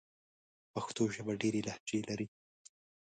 پښتو ژبه ډېري لهجې لري.